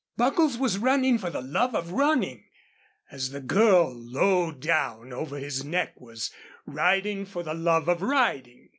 Buckles was running for the love of running, as the girl low down over his neck was riding for the love of riding.